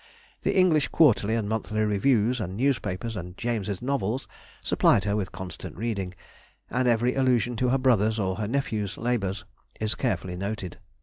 The English Quarterly and Monthly Reviews and newspapers, and James's novels, supplied her with constant reading, and every allusion to her brother's or her nephew's labours is carefully noted.